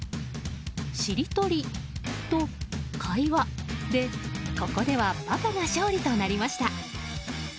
しりとりと会話でここではパパが勝利となりました。